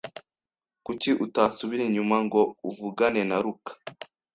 Kuki utasubira inyuma ngo uvugane na Luka?